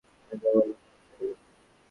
আমি যা বলবো কেবল সেটাই করবে।